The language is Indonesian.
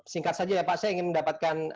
singkat saja ya pak saya ingin mendapatkan